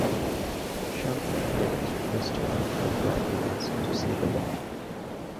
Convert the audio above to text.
Schaffner did as requested, then quietly asked to see the bomb.